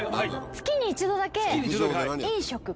月に一度だけはい。